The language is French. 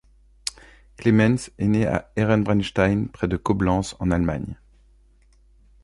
Clemens est né à Ehrenbreitstein, près de Coblence en Allemagne.